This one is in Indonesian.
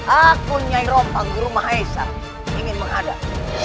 aku nyai rompang ke rumah aisyah ingin mengadak